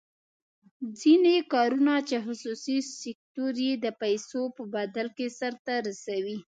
ځینې کارونه چې خصوصي سکتور یې د پیسو په بدل کې سر ته رسوي.